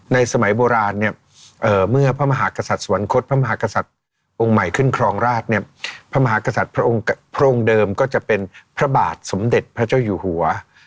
สมัยโบราณเนี่ยเมื่อพระมหากษัตริย์สวรรคตพระมหากษัตริย์องค์ใหม่ขึ้นครองราชเนี่ยพระมหากษัตริย์พระองค์เดิมก็จะเป็นพระบาทสมเด็จพระเจ้าอยู่หัว